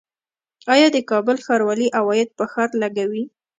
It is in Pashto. آیا د کابل ښاروالي عواید په ښار لګوي؟